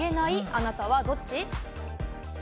あなたはどっち？